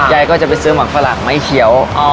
ใหญ่ก็จะไปซื้อหมากฝรั่งไม่เขียว